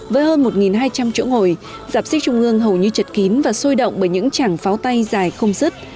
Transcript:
với hơn một hai trăm linh chỗ ngồi giạp siếc trung ương hầu như chật kín và sôi động bởi những chảng pháo tay dài không dứt